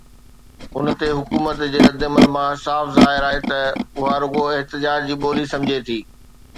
ان تي حڪومت جي ردعمل مان صاف ظاهر آهي ته اها رڳو احتجاج جي ٻولي سمجهي ٿي.